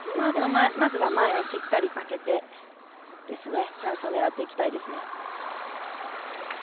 まずは前をしっかり空けてチャンスを狙っていきたいですね。